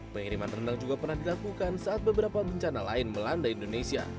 pengiriman rendang juga pernah dilakukan saat beberapa bencana lain melanda indonesia